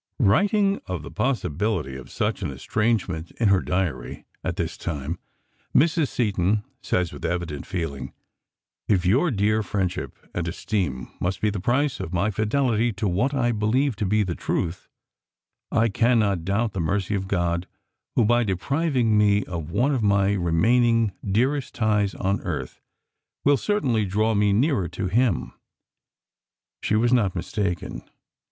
Writing of the possibility of such an estrangement in her diary at this time, Mrs. Seton says with evident feeling: "If your dear friendship and esteem must be the price of my fidelity to what I believe to be the truth, I cannot doubt the mercy of God, who, by depriving me of one of my remaining dearest ties on earth, will certainly draw me nearer to Him." She was not mistaken.